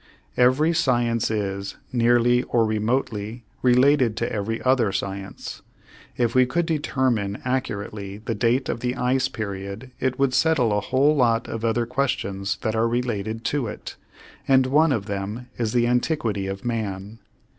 Every science is, nearly or remotely, related to every other science. If we could determine accurately the date of the ice period it would settle a whole lot of other questions that are related to it, and one of them is the antiquity of man.